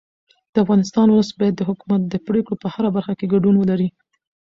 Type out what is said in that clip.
د افغانستان ولس باید د حکومت د پرېکړو په هره برخه کې ګډون ولري